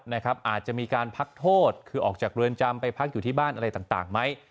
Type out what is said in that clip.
อาจจะมีการพักโทษคือออกจากเรือนจำไปพักอยู่ที่บ้านอะไรต่างไหม